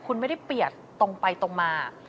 คุณไม่ได้เปียกตรงไปตรงมา